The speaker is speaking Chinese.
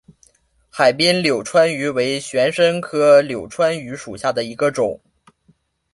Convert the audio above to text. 海滨柳穿鱼为玄参科柳穿鱼属下的一个种。